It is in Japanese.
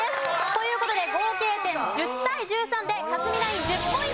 という事で合計点１０対１３で克実ナイン１０ポイント獲得です。